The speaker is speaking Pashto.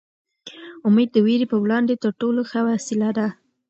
امېد د وېرې په وړاندې تر ټولو ښه وسله ده.